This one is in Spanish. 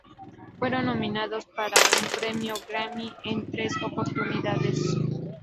Fueron nominados para un premio Grammy en tres oportunidades.